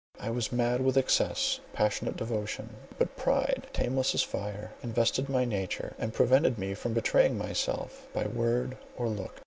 I was mad with excess of passionate devotion; but pride, tameless as fire, invested my nature, and prevented me from betraying myself by word or look.